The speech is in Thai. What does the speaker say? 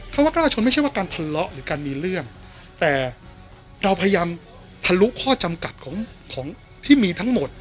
ว่ากล้าชนไม่ใช่ว่าการทะเลาะหรือการมีเรื่องแต่เราพยายามทะลุข้อจำกัดของของที่มีทั้งหมด